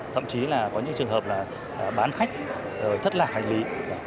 thậm chí có những trường hợp bán khách thất lạc hành lý